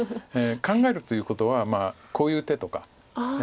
考えるということはこういう手とか。